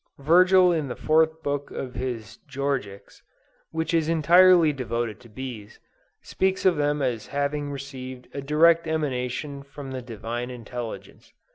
Virgil in the fourth book of his Georgics, which is entirely devoted to bees, speaks of them as having received a direct emanation from the Divine Intelligence.